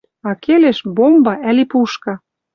А келеш — бомба ӓли пушка.